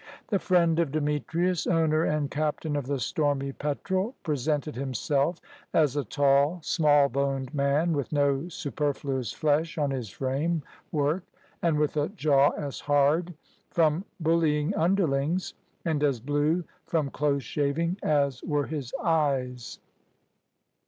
The friend of Demetrius, owner and captain of the Stormy Petrel, presented himself as a tall, small boned man, with no superfluous flesh on his frame work, and with a jaw as hard from bullying underlings and as blue from close shaving as were his eyes.